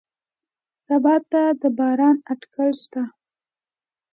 سبا ته د باران اټکل شته